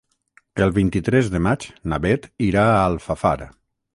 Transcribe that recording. El vint-i-tres de maig na Bet irà a Alfafar.